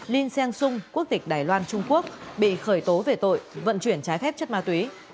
linh sang sung quốc tịch đài loan trung quốc bị khởi tố về tội vận chuyển trái phép chất ma túy